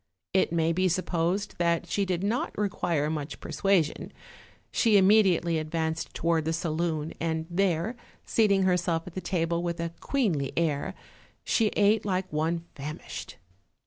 It may be supposed that she did not require much persuasion; she immediately advanced to ward the saloon, and there, seating herself at the table with a queenly air, she ate like one famished.